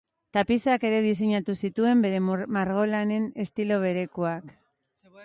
Tapizak ere diseinatu zituen, bere margolanen estilo berekoak.